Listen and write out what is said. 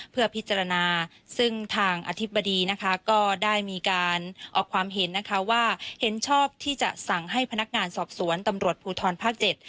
เพื่อพิจารณาซึ่งทางอธิบดีนะคะก็ได้มีการออกความเห็นนะคะว่าเห็นชอบที่จะสั่งให้พนักงานสอบสวนตำรวจภูทรภาคเจ็ด